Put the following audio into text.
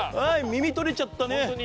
耳取れちゃったね。